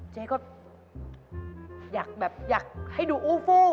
เจ๊ก็อยากแบบอยากให้ดูอู้ฟู